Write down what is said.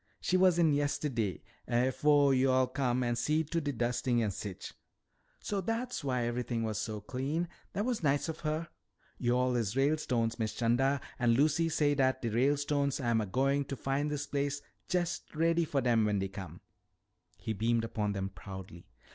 She was in yisteday afo' yo'all come an' seed to de dustin' an' sich " "So that's why everything was so clean! That was nice of her " "Yo'all is Ralestones, Miss 'Chanda. An' Lucy say dat de Ralestones am a goin' to fin' dis place jest ready for dem when dey come." He beamed upon them proudly.